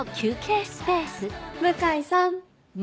向井さん。